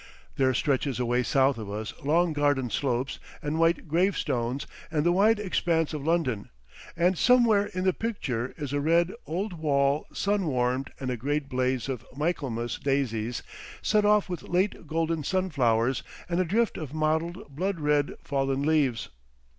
There stretches away south of us long garden slopes and white gravestones and the wide expanse of London, and somewhere in the picture is a red old wall, sun warmed, and a great blaze of Michaelmas daisies set off with late golden sunflowers and a drift of mottled, blood red, fallen leaves.